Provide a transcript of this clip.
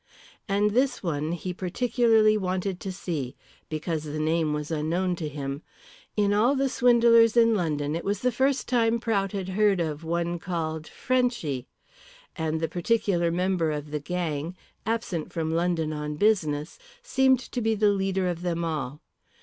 And this one he particularly wanted to see, because the name was unknown to him. In all the swindlers in London it was the first time Prout had heard of one called "Frenchy." And the particular member of the gang absent from London on business seemed to be the leader of them all.